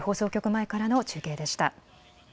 前からの中継でした。